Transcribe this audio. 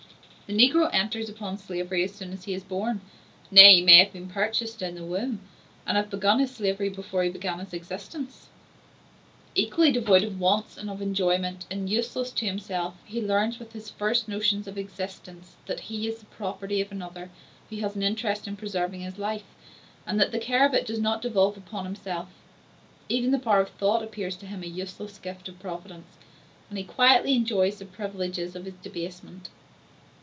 The negro enters upon slavery as soon as he is born: nay, he may have been purchased in the womb, and have begun his slavery before he began his existence. Equally devoid of wants and of enjoyment, and useless to himself, he learns, with his first notions of existence, that he is the property of another, who has an interest in preserving his life, and that the care of it does not devolve upon himself; even the power of thought appears to him a useless gift of Providence, and he quietly enjoys the privileges of his debasement.